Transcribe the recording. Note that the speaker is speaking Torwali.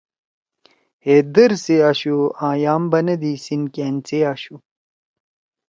ہے در سی آشُو آں یام بنَدی سیِنکأن سی آشُو۔